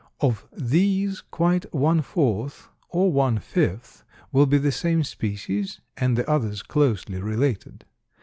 Of these quite one fourth, or one fifth, will be the same species, and the others closely related.